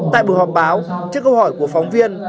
tại buổi họp báo trước câu hỏi của phóng viên